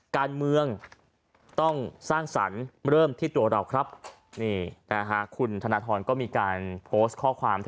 การเมืองต้องสร้างศัลย์เริ่มที่ตัวเราครับคุณธนทรก็มีการโพสต์ข้อความทวิด